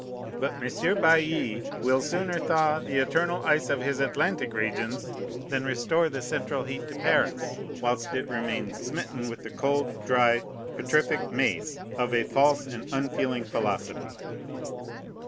But M. Bailly will sooner thaw the eternal ice of his Atlantic regions than restore the central heat to Paris, whilst it remains "smitten with the cold, dry, petrific mace" of a false and unfeeling philosophy.